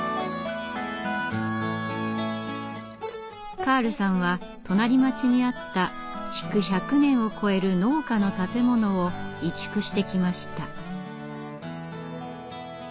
カールさんは隣町にあった築１００年を超える農家の建物を移築してきました。